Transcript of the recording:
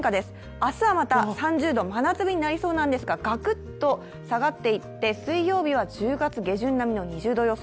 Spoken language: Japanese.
明日はまた３０度、真夏日になりそうなんですがガクッと下がっていって、水曜日は１０月下旬並みの２０度予想。